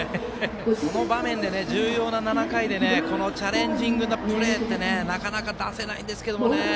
この場面で重要な７回でチャレンジグなプレーってなかなか、出せないですけどね。